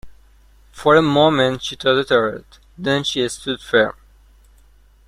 For a moment she tottered; then she stood firm.